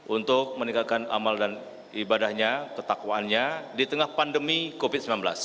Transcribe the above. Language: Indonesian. untuk meningkatkan amal dan ibadahnya ketakwaannya di tengah pandemi covid sembilan belas